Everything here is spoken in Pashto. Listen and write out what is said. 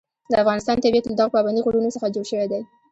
د افغانستان طبیعت له دغو پابندي غرونو څخه جوړ شوی دی.